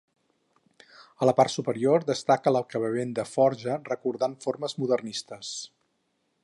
A la part superior destaca l'acabament de forja recordant formes modernistes.